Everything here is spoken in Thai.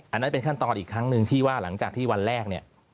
อันนั้นเป็นขั้นตอนอีกครั้งหนึ่งที่ว่าหลังจากที่วันแรกเนี่ย